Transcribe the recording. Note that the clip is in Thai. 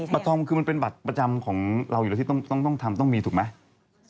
ทองคือมันเป็นบัตรประจำของเราอยู่แล้วที่ต้องทำต้องมีถูกไหม